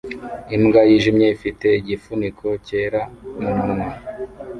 Imbwa yijimye ifite igifuniko cyera mumunwa